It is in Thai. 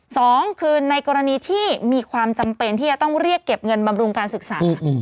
สองคือในกรณีที่มีความจำเป็นที่จะต้องเรียกเก็บเงินบำรุงการศึกษา